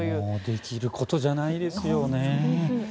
できることじゃないですよね。